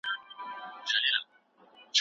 د نړۍ د نيولو خوبونه يې په سر کي وو.